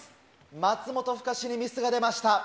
松本深志にミスが出ました。